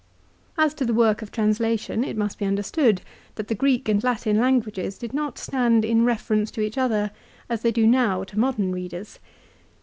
As to the work of translation it must be understood that the Greek and Latin languages did not stand in reference to each other as they do now to modern readers.